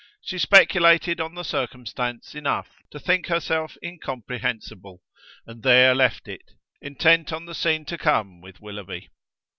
She speculated on the circumstance enough to think herself incomprehensible, and there left it, intent on the scene to come with Willoughby.